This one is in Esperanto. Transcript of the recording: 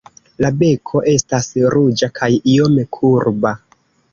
La beko estas ruĝa kaj iome kurba.